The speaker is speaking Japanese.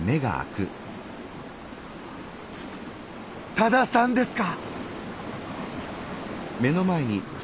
多田さんですか？